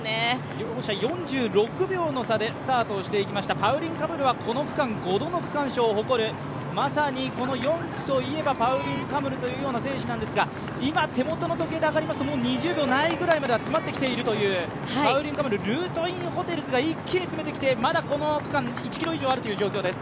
両者４６秒の差でスタートしていきました、パウリン・カムルはこの区間、５度の区間賞を誇るまさに４区といえばパウリン・カムルという選手なんですが、今、手物の時計でいいますと２０秒ないところまで来ているパウリン・カムル、ルートインホテルズが一気に詰めてきて、まだこの区間、１ｋｍ以上あるという状況です。